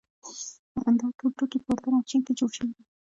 دا ټول توکي په اردن او چین کې جوړ شوي دي.